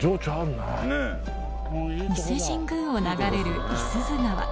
伊勢神宮を流れる五十鈴川